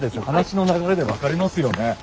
話の流れで分かりますよね？